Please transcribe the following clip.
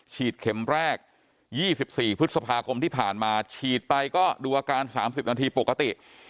เข็มแรก๒๔พฤษภาคมที่ผ่านมาฉีดไปก็ดูอาการ๓๐นาทีปกติ